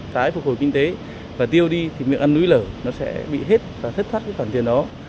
tái phục hồi kinh tế và tiêu đi thì miệng ăn núi lở nó sẽ bị hết và thất thoát cái khoản tiền đó